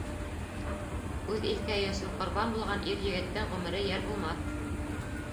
Үҙ илкәйе өсөн ҡорбан булған Ир-егеттең ғүмере йәл булмаҫ.